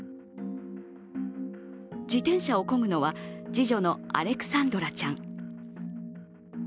自転車をこぐのは、次女のアレクサンドラちゃん。